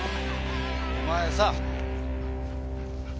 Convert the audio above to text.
お前さ。